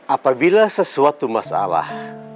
apabila sesuatu masalah